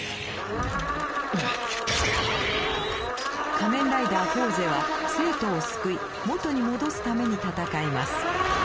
仮面ライダーフォーゼは生徒を救い元に戻すために戦います。